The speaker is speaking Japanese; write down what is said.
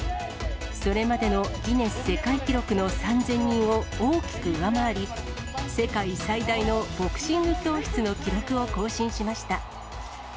それまでのギネス世界記録の３０００人を大きく上回り、世界最大のボクシング教室の記録を更新しました。